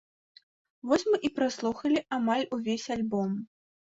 Вось мы і праслухалі амаль увесь альбом.